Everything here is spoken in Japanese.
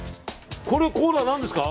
このコーナー何ですか？